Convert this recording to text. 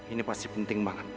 ini pasti penting banget